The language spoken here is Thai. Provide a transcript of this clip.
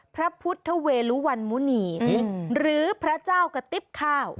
พระพุทธเวลุวันมุณีหรือพระเจ้ากระติ๊บข้าว